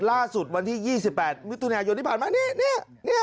ล่าสุดวันที่๒๘มิถุนายนที่ผ่านมานี่